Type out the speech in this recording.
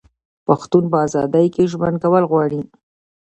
پښتون په ازادۍ کې ژوند کول غواړي.